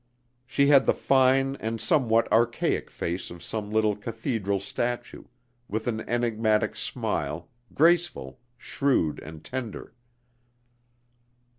She had the fine and somewhat archaic face of some little cathedral statue, with an enigmatic smile, graceful, shrewd and tender.